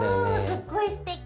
すっごいすてき。